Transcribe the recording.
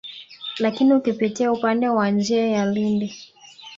Lakini ukipitia upande wa njia ya Lindi